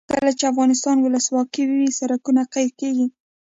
کله چې افغانستان کې ولسواکي وي سړکونه قیر کیږي.